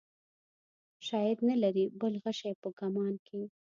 شاید نه لرې بل غشی په کمان کې.